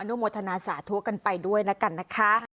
โมทนาสาธุกันไปด้วยแล้วกันนะคะ